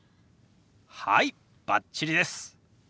はいバッチリです！